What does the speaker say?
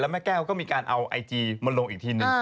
แม่แก้วก็มีการเอาไอจีมาลงอีกทีนึง